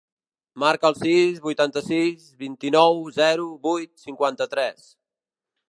Marca el sis, vuitanta-sis, vint-i-nou, zero, vuit, cinquanta-tres.